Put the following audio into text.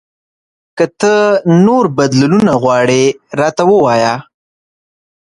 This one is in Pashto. که ته نور بدلونونه غواړې، راته ووایه !